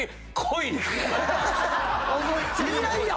いやいや！